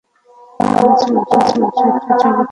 তখনই আমি চলচ্চিত্রের জগতে প্রবেশ করি।